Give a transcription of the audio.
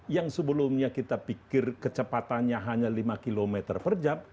yang sebelumnya kita pikir kecepatannya hanya lima km per jam